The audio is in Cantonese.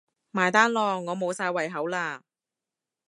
埋單囉，我無晒胃口喇